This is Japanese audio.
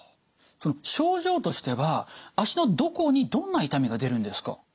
その症状としては足のどこにどんな痛みが出るんですか？